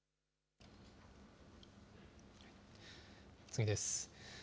次です。